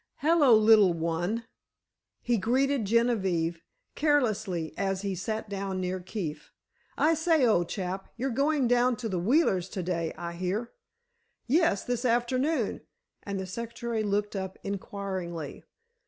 "Hello, little one," he greeted Genevieve, carelessly, as he sat down near Keefe. "I say, old chap, you're going down to the Wheelers' to day, I hear." "Yes; this afternoon," and the secretary looked up inquiringly.